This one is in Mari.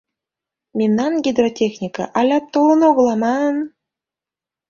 Мемнан гидротехнике алят толын огыл аман?